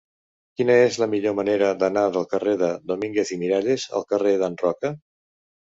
Quina és la millor manera d'anar del carrer de Domínguez i Miralles al carrer d'en Roca?